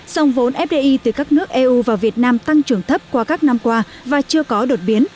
dòng vốn fdi từ các nước eu vào việt nam tăng trưởng thấp qua các năm qua và chưa có đột biến